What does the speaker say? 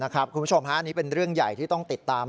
คุณผู้ชมฮะนี่เป็นเรื่องใหญ่ที่ต้องติดตาม